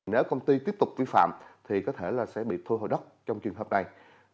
nếu công ty tiếp tục vi phạm thì có thể là sẽ bị thu hồi đất trong trường hợp này